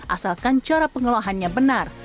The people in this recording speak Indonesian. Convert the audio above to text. asalkan cara pengelolaannya benar